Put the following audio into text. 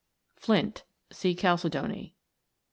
Flint. See Chalcedony.